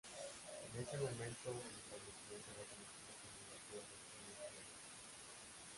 En ese momento el establecimiento era conocido como la aldea de "Stoney Creek".